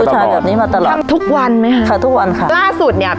ชายแบบนี้มาตลอดทำทุกวันไหมคะค่ะทุกวันค่ะล่าสุดเนี้ย